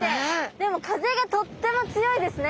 でも風がとっても強いですね。